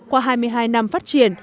qua hai mươi hai năm phát triển